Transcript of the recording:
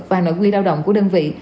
và nội quy lao động của đơn vị